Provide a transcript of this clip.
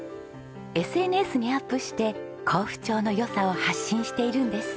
ＳＮＳにアップして江府町の良さを発信しているんです。